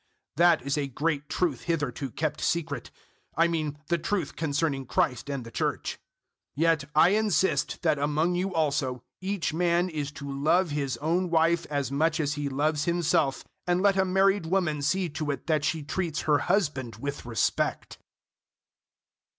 005:032 That is a great truth hitherto kept secret: I mean the truth concerning Christ and the Church. 005:033 Yet I insist that among you also, each man is to love his own wife as much as he loves himself, and let a married woman see to it that she treats her husband with respect.